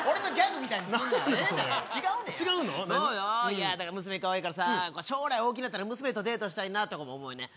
いやだから娘かわいいからさ将来大きなったら娘とデートしたいなとかも思うね